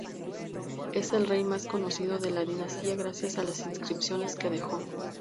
Es el rey más conocido de la dinastía gracias a las inscripciones que dejó.